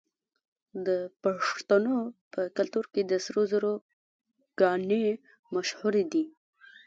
د پښتنو په کلتور کې د سرو زرو ګاڼې مشهورې دي.